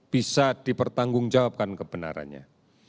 bisa dipertanggungjawabkan kebenarannya